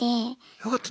よかった。